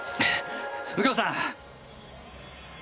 右京さん！